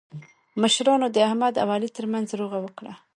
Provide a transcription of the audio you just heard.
مشرانو د احمد او علي ترمنځ روغه وکړله.